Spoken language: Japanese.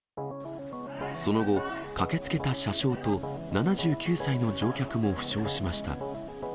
その後、駆けつけた車掌と７９歳の乗客も負傷しました。